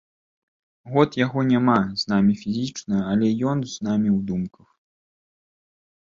Год яго няма з намі фізічна, але ён з намі ў думках.